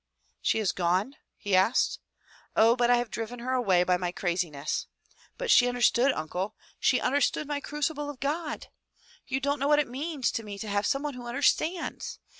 "She is gone?" he asked. "Oh, but I have driven her away by my craziness. But she understood, uncle. She understood my crucible of God. You don't know what it means to me to have someone who understands.